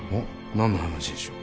何の話でしょう？